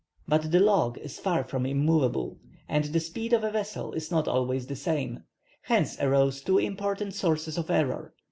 But the log is far from immoveable, and the speed of a vessel is not always the same, hence arose two important sources of error.